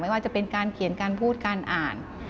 ว่าจะเป็นการเขียนการพูดการอ่าน